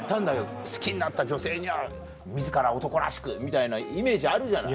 好きになった女性には自ら男らしくみたいなイメージあるじゃない。